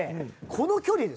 この距離で。